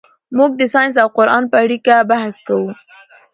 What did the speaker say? موږ د ساینس او قرآن په اړیکه بحث کوو.